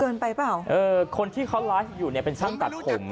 เกินไปเปล่าเอ่อคนที่เขาร้านอยู่เนี้ยเป็นช่างตัดผม